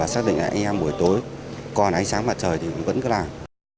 xác định là anh em buổi tối còn ánh sáng mặt trời thì vẫn cứ làm